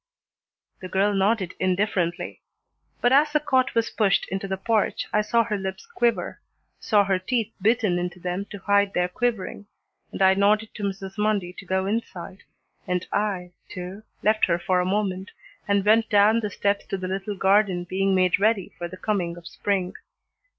The girl nodded indifferently, but as the cot was pushed into the porch I saw her lips quiver, saw her teeth bitten into them to hide their quivering, and I nodded to Mrs. Mundy to go inside, and I, too, left her for a moment and went down the steps to the little garden being made ready for the coming of spring.